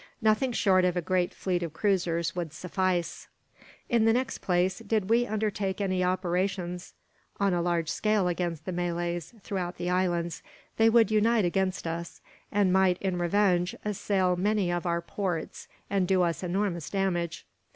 Nothing short of a great fleet of cruisers would suffice. "In the next place, did we undertake any operations on a large scale against the Malays throughout the islands, they would unite against us; and might, in revenge, assail many of our ports, and do us enormous damage.